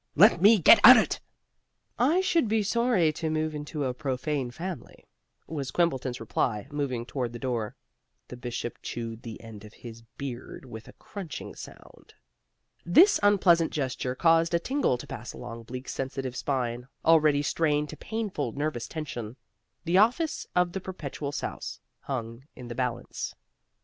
Let me get at it!" "I should be sorry to marry into a profane family," was Quimbleton's reply, moving toward the door. The Bishop chewed the end of his beard with a crunching sound. This unpleasant gesture caused a tingle to pass along Bleak's sensitive spine, already strained to painful nervous tension. The office of the Perpetual Souse hung in the balance.